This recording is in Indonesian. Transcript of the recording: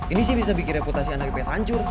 ini sih bisa bikin reputasi anak ipes hancur